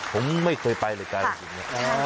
ผมไม่เคยไปเลยกละสิน